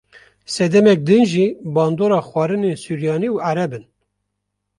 Sedemek din jî bandora xwarinên suryanî û ereb in.